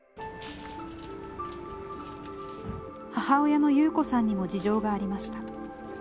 母親のゆうこさんにも事情がありました。